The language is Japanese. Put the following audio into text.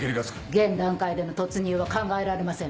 現段階での突入は考えられません。